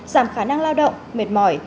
giảm khả năng lao động mệt mỏi